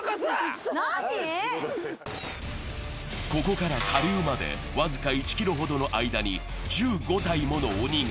ここから下流まで僅か１ｋｍほどの間に、１５体もの鬼が。